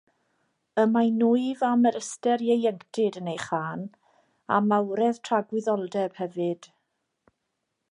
Y mae nwyf a melyster ieuenctid yn ei chân, a mawredd tragwyddoldeb hefyd.